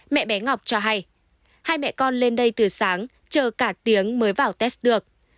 mẹ bé ngọc cho hay hai mẹ con lên đây từ sáng chờ cả tiếng mới vào test được